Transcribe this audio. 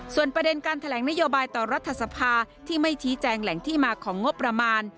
ส่วนประเด็นการแถลงนโยบายต่อรัฐสภาที่ไม่ชี้แจงแหล่งที่มาของงบประมาณ